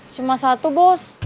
cuma satu bos